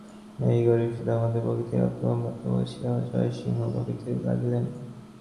এই নীরব শুশ্রূষার মধ্যে, প্রকৃতির এই অন্তঃপুরের মধ্যে বসিয়া জয়সিংহ ভাবিতে লাগিলেন।